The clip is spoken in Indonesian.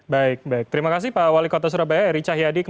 baik baik terima kasih pak wali kota surabaya eri cahyadi